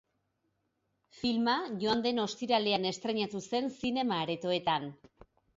Filma joan den ostiralean estreinatu zen zinema-aretoetan.